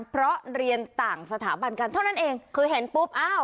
เพราะเรียนต่างสถาบันกันเท่านั้นเองคือเห็นปุ๊บอ้าว